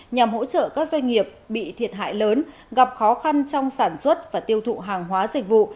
nhằm hỗ trợ các doanh nghiệp bị thiệt hại lớn gặp khó khăn trong sản xuất và tiêu thụ hàng hóa dịch vụ